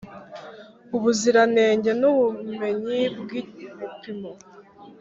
Ubuziranenge n ubumenyi bw ibipimo